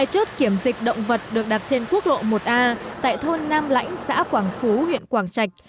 hai chốt kiểm dịch động vật được đặt trên quốc lộ một a tại thôn nam lãnh xã quảng phú huyện quảng trạch